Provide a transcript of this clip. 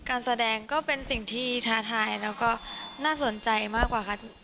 การแสดงก็เป็นสิ่งที่ท้าทายแล้วก็น่าสนใจมากกว่าค่ะ